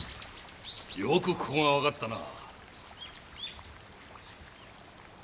よくここが分かったな。